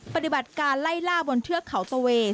ปฏิบัติการไล่ล่าบนเทือกเขาตะเว